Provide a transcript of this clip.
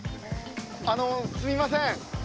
あのすみません！